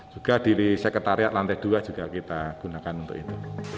juga di sekretariat lantai dua juga kita gunakan untuk itu